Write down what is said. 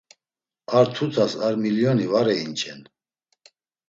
Ar tutas ar milioni var einç̌en.